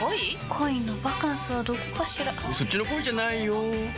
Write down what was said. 恋のバカンスはどこかしらそっちの恋じゃないよ